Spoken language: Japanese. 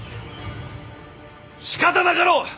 しかたなかろう。